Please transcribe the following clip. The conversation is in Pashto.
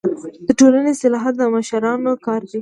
د ټولني اصلاحات د مشرانو کار دی.